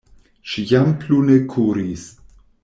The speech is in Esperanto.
Ŝi jam plu ne kuris.